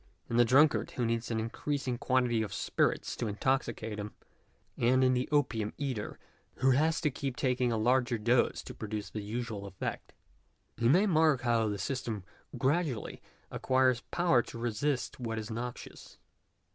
In the drunkard who needs an increasing quantity of spirits to intoxicate him, and in the opium eater, who has to keep taking a larger dose to produce the usual effect, he may mark how the system gradu ally acquires power to resist what is noxious.